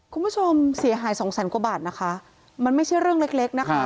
คุณผู้ชมเสียหายสองแสนกว่าบาทนะคะมันไม่ใช่เรื่องเล็กเล็กนะคะ